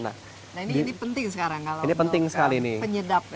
nah ini penting sekarang kalau penyedap